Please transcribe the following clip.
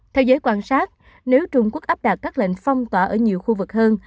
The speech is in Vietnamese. theo giới quan sát nếu trung quốc áp đặt các lệnh phong tỏa ở nhiều khu vực hơn